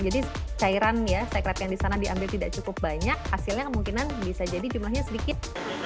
jadi cairan ya sekret yang di sana diambil tidak cukup banyak hasilnya kemungkinan bisa jadi jumlahnya sedikit